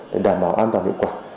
để đảm bảo an toàn hiệu quả